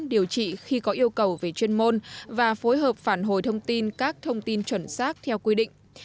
điều trị khi có yêu cầu về chuyên môn và phối hợp phản hồi thông tin các thông tin chuẩn xác theo quy định